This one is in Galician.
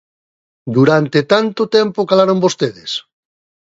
¡Durante tanto tempo calaron vostedes!